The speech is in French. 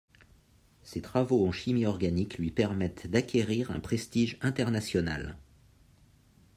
Ses travaux en chimie organique lui permettent d'acquérir un prestige international.